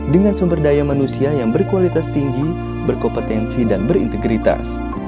dengan sumber daya manusia yang berkualitas tinggi berkompetensi dan berintegritas